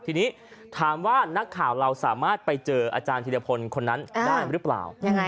ทีนี้ถามว่านักข่าวเราสามารถไปเจออาจารย์ธิรพลคนนั้นได้หรือเปล่า